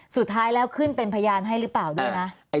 สุดท้ายแล้วขึ้นเป็นพยานให้หรือเปล่าด้วยนะ